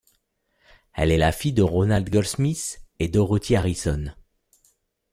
Elle est la fille de Ronald Goldsmith et Dorothy Harrison.